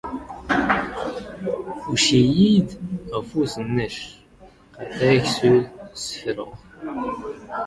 ⵓⵛ ⵉⵢⵉ ⴷ ⴰⴼⵓⵙ ⵏⵏⵛ, ⵇⵇⴰⴷ ⴰⴽ ⵙⵓⵍ ⵙⵙⴼⵔⵓⵖ.